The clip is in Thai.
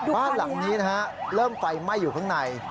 บ้านหลังนี้นะฮะเริ่มไฟไหม้อยู่ข้างใน